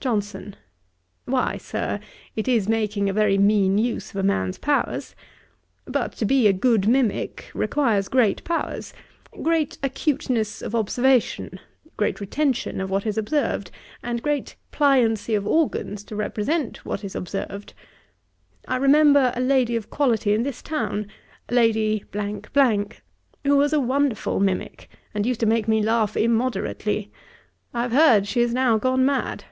JOHNSON. 'Why, Sir, it is making a very mean use of a man's powers. But to be a good mimick, requires great powers; great acuteness of observation, great retention of what is observed, and great pliancy of organs, to represent what is observed. I remember a lady of quality in this town, Lady , who was a wonderful mimick, and used to make me laugh immoderately. I have heard she is now gone mad.'